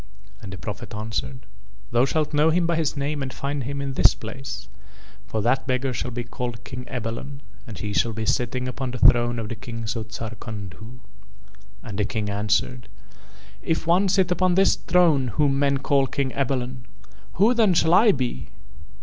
And the Prophet answered: "Thou shalt know him by his name and find him in this place, for that beggar shall be called King Ebalon and he shall be sitting upon the throne of the Kings of Zarkandhu." And the King answered: "If one sit upon this throne whom men call King Ebalon, who then shall I be?"